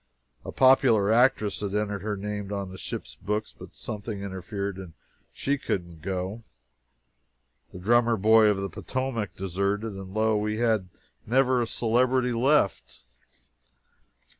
A popular actress had entered her name on the ship's books, but something interfered and she couldn't go. The "Drummer Boy of the Potomac" deserted, and lo, we had never a celebrity left!